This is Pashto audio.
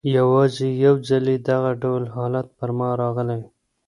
یوازي یو ځلې دغه ډول حالت پر ما راغلی.